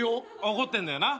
怒ってんだよな。